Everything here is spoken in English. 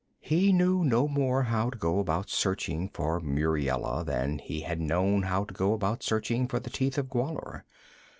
He knew no more how to go about searching for Muriela than he had known how to go about searching for the Teeth of Gwahlur.